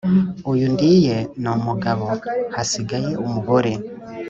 uyu ndiye ni umugabo, hasigaye umugore